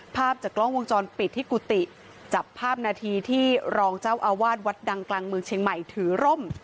ภาพจากกล้องวงจรปิดที่กุฏิจับภาพนาทีที่รองเจ้าอาวาสวัดดังกลางเมืองเชียงใหม่ถือร่ม